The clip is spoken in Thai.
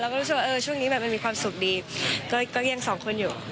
ก็รู้สึกว่าช่วงนี้แบบมันมีความสุขดีก็ยังสองคนอยู่